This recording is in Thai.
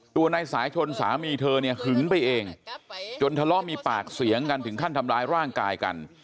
ตัวนายสายชนสามีเธอเนี่ยหึงไปเองจนทะเลาะมีปากเสียงกันถึงขั้นทำร้ายร่างกายกัน